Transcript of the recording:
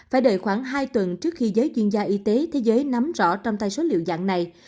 phải đợi khoảng hai tuần trước khi giới chuyên gia y tế thế giới nắm rõ trong tay số liệu dạng này